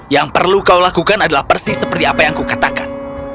yang perlu kau lakukan adalah persis seperti apa yang kukatakan